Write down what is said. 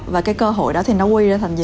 và cái cơ hội đó thì nó quy ra thành gì